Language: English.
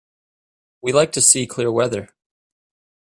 We like to see clear weather.